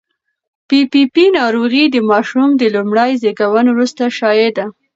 پي پي پي ناروغي د ماشوم د لومړي زېږون وروسته شایع ده.